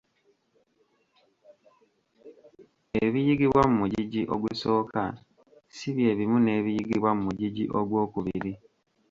Ebiyigibwa mu mugigi ogusooka ssi bye bimu n'ebiyigibwa mu mugigi ogwokubiri.